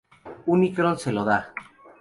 Unicron se lo da.